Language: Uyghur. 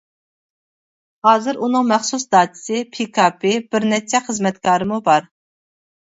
ھازىر ئۇنىڭ مەخسۇس داچىسى، پىكاپى، بىر نەچچە خىزمەتكارىمۇ بار.